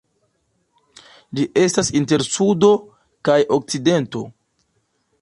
Ĝi estas inter Sudo kaj Okcidento.